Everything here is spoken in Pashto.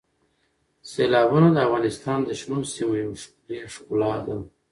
سیلابونه د افغانستان د شنو سیمو یوه ښکلې ښکلا ده.